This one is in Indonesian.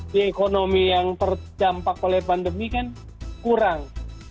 di ekonomi yang terdampak oleh pandemi kan kurang